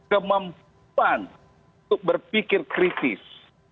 kemampuan untuk berpikir kritis